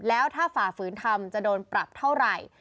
แล้วถ้าฝ่าฝืนทำจะโดนปรับเท่าไหร่